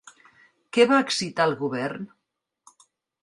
Què va excitar el govern?